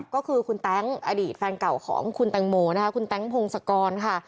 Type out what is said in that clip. ก็คือคุณแต๊งอดีตแฟนเก่าของคุณแตงโมนะคะคุณแต๊งพงศกรค่ะ